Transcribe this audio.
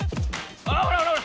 あほらほらほら。